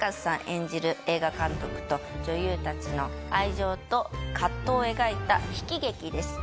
演じる映画監督と女優たちの愛情と藤を描いた悲喜劇です。